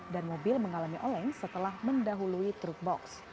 dan mobil mengalami oleng setelah mendahului truk boks